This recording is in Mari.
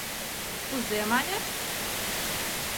Кузе маньыч?